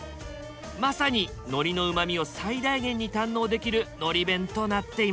まさに海苔のうまみを最大限に堪能できる海苔弁となっています。